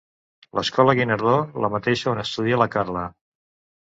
L'escola Guinardó, la mateixa on estudia la Carla.